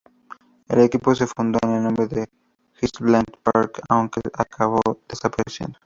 El equipo se fundó con el nombre de Highlands Park, aunque acabó desapareciendo.